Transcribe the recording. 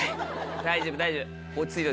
大丈夫大丈夫。